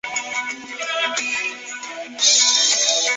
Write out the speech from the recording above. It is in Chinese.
天津朝鲜银行大楼是朝鲜银行在中国天津建造的分行大楼。